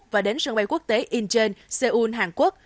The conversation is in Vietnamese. và đến sân bay quốc tế incheon seoul hàn quốc